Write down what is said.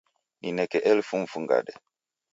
Nineke elfu mfungade